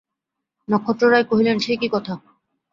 নক্ষত্ররায় কহিলেন, সে কী কথা!